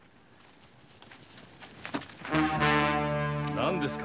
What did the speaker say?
何ですか？